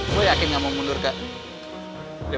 gua yakin gak mau mundur ke